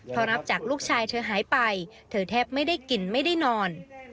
พอรับจากลูกชายเธอหายไปเธอแทบไม่ได้กินไม่ได้นอน